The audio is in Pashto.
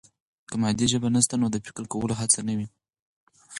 که مادي ژبه نسته، نو د فکر کولو څه نه وي.